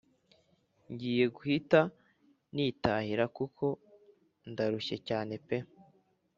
Ngiye kuhita nitahira kuko ndarushye cyane pe